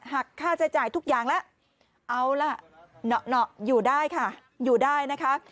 หักค่าใช้จ่ายทุกอย่างแล้วเอาล่ะเหนาะอยู่ได้ค่ะอยู่ได้นะคะ